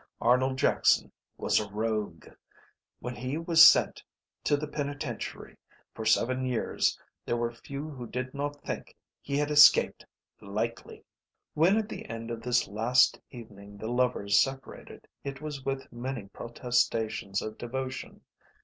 Arnold Jackson was a rogue. When he was sent to the penitentiary for seven years there were few who did not think he had escaped lightly. When at the end of this last evening the lovers separated it was with many protestations of devotion.